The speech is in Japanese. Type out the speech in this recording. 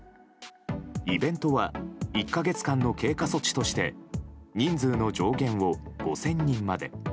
イベントは１か月間の経過措置として人数の上限を５０００人まで。